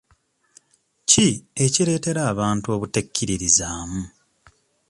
Ki ekireetera abantu obutekkiririzaamu?